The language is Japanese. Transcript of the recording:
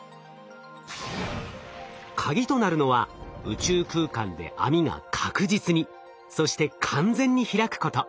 カギとなるのは宇宙空間で網が確実にそして完全に開くこと。